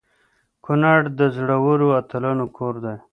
کنړ د زړورو اتلانو کور دی.